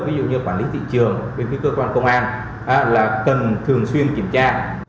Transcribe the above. ví dụ như quản lý thị trường bên phía cơ quan công an là cần thường xuyên kiểm tra